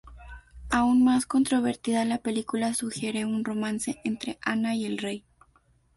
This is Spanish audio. Aún más controvertida, la película sugiere un romance entre Anna y el Rey.